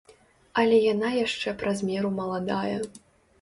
Але яна яшчэ праз меру маладая.